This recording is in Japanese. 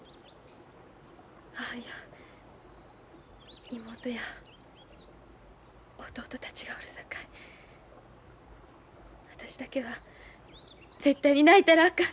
母や妹や弟たちがおるさかい私だけは絶対に泣いたらあかんて。